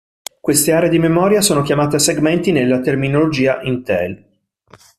Queste aree di memoria sono chiamate segmenti nella terminologia Intel.